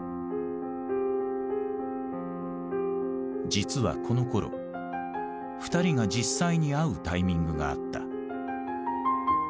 実はこのころ２人が実際に会うタイミングがあった。